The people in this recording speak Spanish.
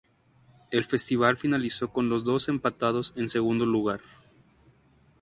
El festival finalizó con los dos empatados en segundo lugar.